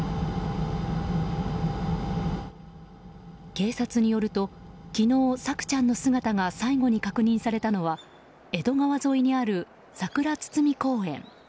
警察によると、昨日朔ちゃんの姿が最後に確認されたのは江戸川沿いにあるさくら堤公園。